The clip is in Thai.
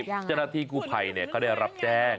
เจรปรีศาสตร์ที่กู้ไพเขาได้รับแจ้ง